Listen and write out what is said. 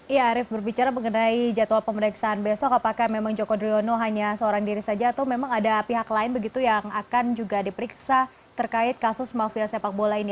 ya arief berbicara mengenai jadwal pemeriksaan besok apakah memang joko driono hanya seorang diri saja atau memang ada pihak lain begitu yang akan juga diperiksa terkait kasus mafia sepak bola ini